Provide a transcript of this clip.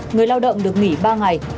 người lao động được nghỉ ba ngày